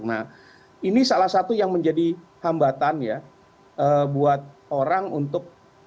nah ini salah satu yang menjadi hambatan ya buat orang untuk